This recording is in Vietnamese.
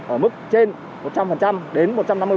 ở mức trên một trăm linh đến một trăm năm mươi